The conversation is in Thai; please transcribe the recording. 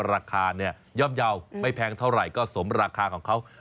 ราคาเนี่ยย่อมเยาว์ไม่แพงเท่าไหร่ก็สมราคาของเขา